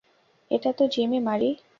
এটাতো জিমি মারি।